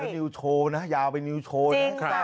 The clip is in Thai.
นิวโชว์นะยาวไปนิวโชว์นะ